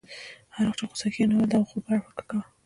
هر وخت چې په غوسه کېږې نو اول د عواقبو په اړه فکر کوه.